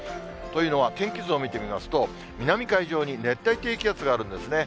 というのは、天気図を見てみますと、南海上に熱帯低気圧があるんですね。